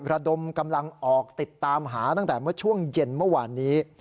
ระดมกำลังออกติดตามหาตั้งแต่เมื่อช่วงเย็นเมื่อวานนี้